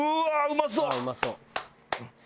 うまそう！